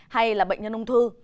hay là bệnh nhân ung thư